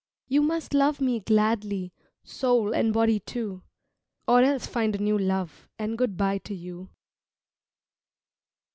You must love me gladly Soul and body too, Or else find a new love, And good by to you.